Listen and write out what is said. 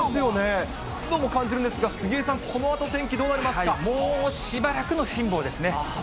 湿度も感じるんですが、杉江さん、このあと天気、もうしばらくの辛抱ですね。